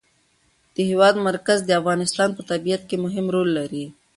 د هېواد مرکز د افغانستان په طبیعت کې مهم رول لري.